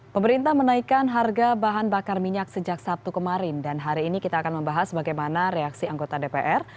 pemerintah menaikkan harga bahan bakar minyak sejak sabtu kemarin dan hari ini kita akan membahas bagaimana reaksi anggota dpr